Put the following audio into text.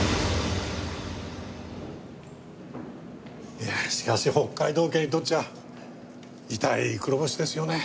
いやしかし北海道警にとっちゃ痛い黒星ですよね。